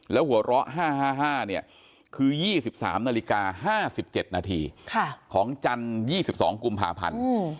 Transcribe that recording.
แล้วหัวเวลา๕๕๕เนี่ยคือ๒๓สิบ๓นาฬิกาห้าสิบเจ็ดนาทีค่ะของจั่นยี่สิบสองกุมภาพันห์